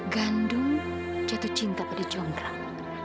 gandung jatuh cinta pada jonggrang